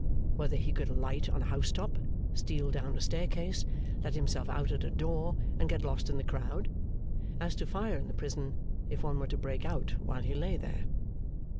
whether he could alight on a housetop, steal down a staircase, let himself out at a door, and get lost in the crowd? As to Fire in the prison, if one were to break out while he lay there?